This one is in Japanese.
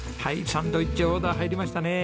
サンドイッチオーダー入りましたね。